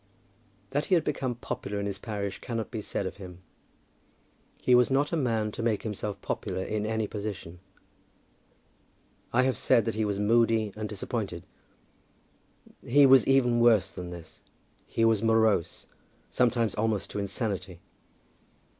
That he had become popular in his parish cannot be said of him. He was not a man to make himself popular in any position. I have said that he was moody and disappointed. He was even worse than this; he was morose, sometimes almost to insanity.